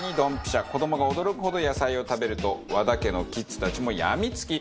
子どもが驚くほど野菜を食べると和田家のキッズたちもやみつき。